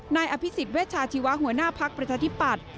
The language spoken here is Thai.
นายอภิษฎเวชาชีวะหัวหน้าภักดิ์ประชาธิปัตย์